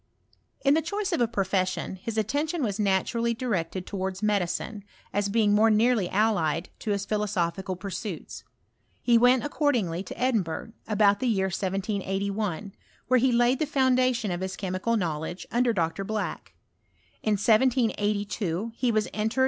iln the choice of a profession, his attention was naturally directed towards medicine, as being more neaxly allied to his philosophical pursuits. He went accordingly to Edinburgh, about the year 178(L, where. he laid the foundation of his chemical know ledge under Dr. Black. In 1782 he was entered.